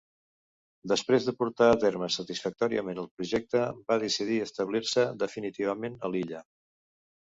Després de portar a terme satisfactòriament el projecte, va decidir establir-se definitivament a l'illa.